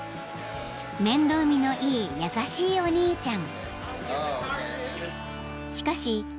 ［面倒見のいい優しいお兄ちゃん］